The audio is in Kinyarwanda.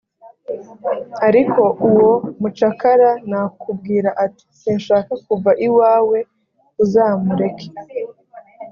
ariko uwo mucakara nakubwira ati «sinshaka kuva iwawe uzamureke»